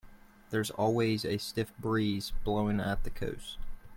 There's always a stiff breeze blowing at the coast.